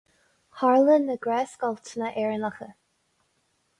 Tharla na gnáthscoilteanna Éireannacha.